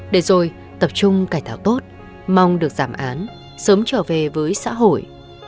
để rồi tập trung cải tạo tốt mong được giảm án sớm trở về với xã hội